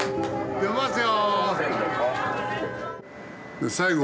出ますよ！